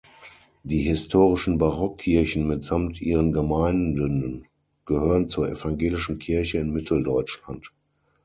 Die historischen Barockkirchen mitsamt ihren Gemeinden gehören zur Evangelischen Kirche in Mitteldeutschland.